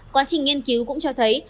quá trình nghiên cứu cũng cho thấy